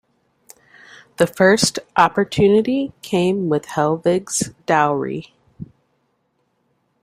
The first opportunity came with Helvig's dowry.